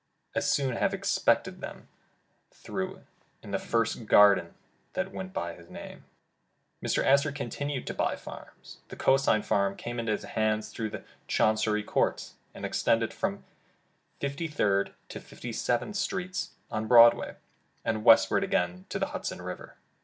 As soon have 238 Landlord and Airlord expected them, some thought, in the first garden that went by that name. Mr. Astor continued to buy farms. The Cosine farm came into his hands through the chancery courts, and extended from Fifty third to Fifth seventh Streets, on Broadway, and westward again to the Hudson River.